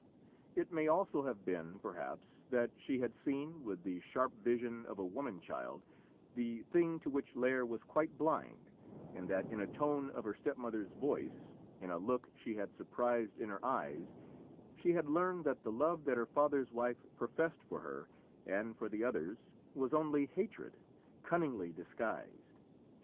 It may also have been, perhaps, that she had seen, with the sharp vision of a woman child, the thing to which Lîr was quite blind, and that in a tone of her stepmother's voice, in a look she had surprised in her eyes, she had learned that the love that her father's wife professed for her and for the others was only hatred, cunningly disguised.